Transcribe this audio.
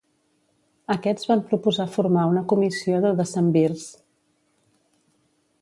Aquests van proposar formar una comissió de decemvirs.